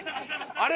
あれ？